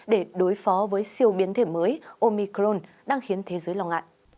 để đối phó với siêu biến thể mới omicron đang khiến thế giới lo ngại